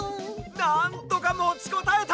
なんとかもちこたえた！